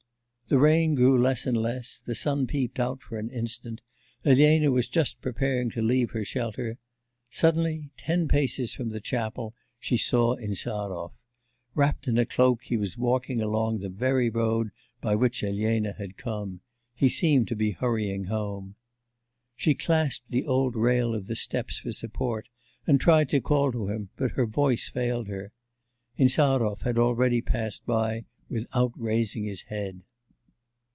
The rain grew less and less, the sun peeped out for an instant. Elena was just preparing to leave her shelter.... Suddenly, ten paces from the chapel, she saw Insarov. Wrapt in a cloak he was walking along the very road by which Elena had come; he seemed to be hurrying home. She clasped the old rail of the steps for support, and tried to call to him, but her voice failed her... Insarov had already passed by without raising his head.